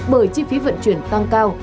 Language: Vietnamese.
bởi chi phí vận chuyển tăng cao